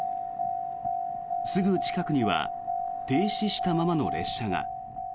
すぐ近くには停止したままの列車が。